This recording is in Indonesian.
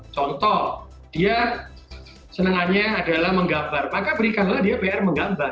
contoh dia senangannya adalah menggambar maka berikanlah dia pr menggambar